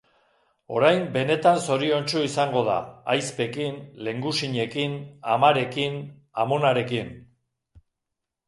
Orain benetan zoriontsu izango da, ahizpekin, lehengusinekin, amarekin, amonarekin.